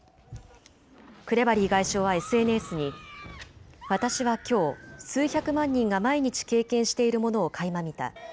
クレバリー外相はＳＮＳに私はきょう数百万人が毎日経験しているものをかいま見た。